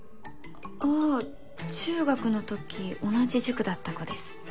ああ中学の時同じ塾だった子です。